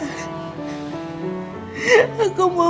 aku mau lihat reina sampai tumbuh besar